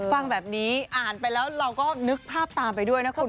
ฟังแบบนี้อ่านไปแล้วเราก็นึกภาพตามไปด้วยนะคุณ